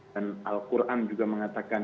dan al qur'an juga mengatakan